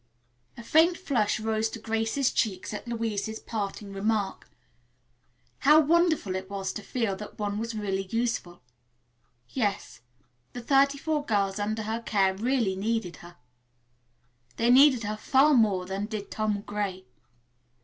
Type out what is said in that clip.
A faint flush rose to Grace's cheeks at Louise's parting remark. How wonderful it was to feel that one was really useful. Yes; the thirty four girls under her care really needed her. They needed her far more than did Tom Gray.